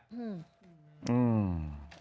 อืม